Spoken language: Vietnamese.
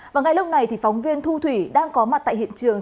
và ngay lúc này thì phóng viên thu thủy đang có mặt tại hiện trường